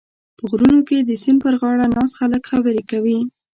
په غرونو کې د سیند پرغاړه ناست خلک خبرې کوي.